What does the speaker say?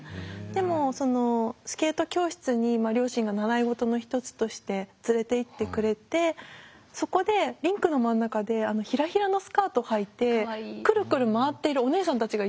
でもそのスケート教室に両親が習い事の一つとして連れていってくれてそこでリンクの真ん中でヒラヒラのスカートはいてクルクル回っているおねえさんたちがいたんですよ。